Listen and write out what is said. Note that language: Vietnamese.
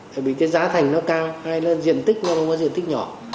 vì cái giá thành nó cao hay là diện tích nó không có diện tích nhỏ